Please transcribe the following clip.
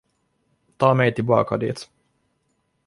Ta mig tillbaka dit.